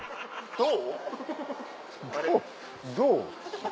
「どう？」。